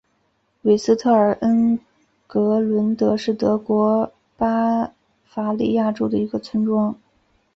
韦斯特尔恩格伦德是德国巴伐利亚州的一个村庄。